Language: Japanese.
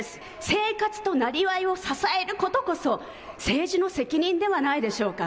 生活となりわいを支えることこそ政治の責任ではないでしょうか。